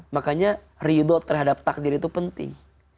makanya ridho terhadap takdir itu penting